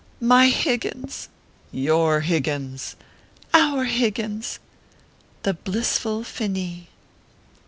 " if ?/ Higgins !"" YOUR Higgins !!" "OUR Higgins !!!" THE BLISSFUL FINIS.